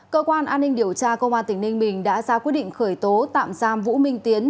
cơ quan an ninh điều tra công an tỉnh ninh bình đã ra quyết định khởi tố tạm giam vũ minh tiến